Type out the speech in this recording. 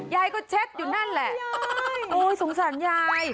ยายก็เช็ดอยู่นั่นแหละโอ้ยสงสารยาย